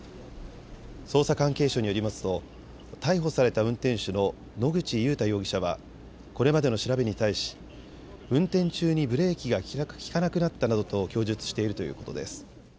捜査関係者によりますと逮捕された運転手の野口祐太容疑者はこれまでの調べに対し運転中にブレーキが利かなくなったなどと供述しているということです。